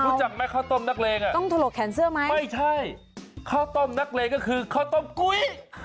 รู้จักไหมข้าวต้มนักเลงอะไม่ใช่ข้าวต้มนักเลงก็คือข้าวต้มกุ๊ย